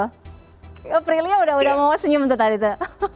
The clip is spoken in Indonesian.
hai ke prilia udah udah mau senyum tetap itu